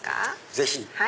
ぜひ。